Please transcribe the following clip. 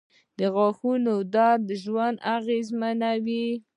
• د غاښونو درد ژوند اغېزمنوي.